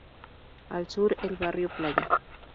Al Sur el Barrio Playa.